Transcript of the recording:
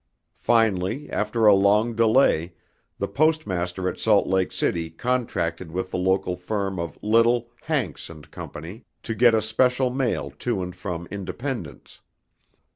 Finally, after a long delay, the postmaster at Salt Lake City contracted with the local firm of Little, Hanks, and Co., to get a special mail to and from Independence.